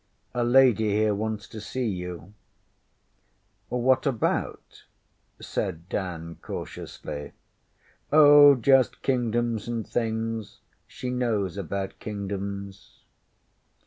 A lady here wants to see you. ŌĆÖ ŌĆśWhat about? ŌĆÖ said Dan cautiously. ŌĆśOh, just Kingdoms and things. She knows about Kingdoms.